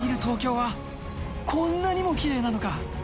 上から見る東京は、こんなにもきれいなのか。